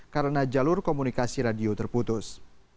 karena jalur komunikasi radio terputus